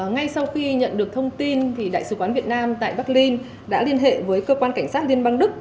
ngay sau khi nhận được thông tin đại sứ quán việt nam tại berlin đã liên hệ với cơ quan cảnh sát liên bang đức